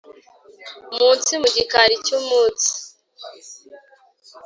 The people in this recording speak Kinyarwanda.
munsi mu gikari cy'umunsi.